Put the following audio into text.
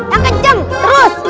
yang kenceng terus